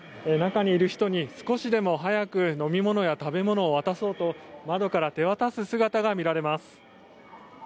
中にいる人に少しでも早く飲み物や食べ物を渡そうと窓から手渡す姿が見られます。